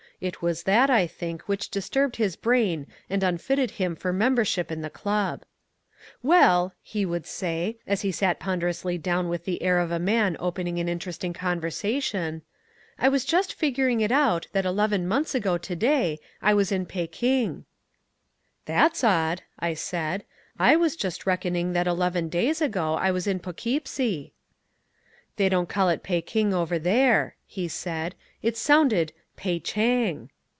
It was that, I think, which disturbed his brain and unfitted him for membership in the club. "Well," he would say, as he sat ponderously down with the air of a man opening an interesting conversation, "I was just figuring it out that eleven months ago to day I was in Pekin." "That's odd," I said, "I was just reckoning that eleven days ago I was in Poughkeepsie." "They don't call it Pekin over there," he said. "It's sounded Pei Chang."